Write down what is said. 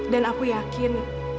dan aku yakin